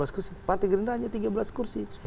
sembilan belas kursi partai gerindra hanya tiga belas kursi